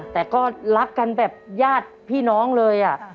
แต่ก็รักกันแบบญาติพี่น้องเลย